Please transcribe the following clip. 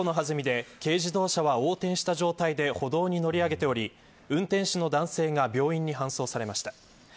事故の弾みで軽自動車は横転した状態で歩道に乗り上げており運転手の男性が病院に搬送されました。